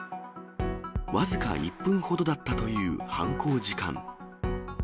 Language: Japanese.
僅か１分ほどだったという犯行時間。